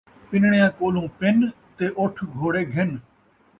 پنݨیاں کولوں پن تے اٹھ گھوڑے گھن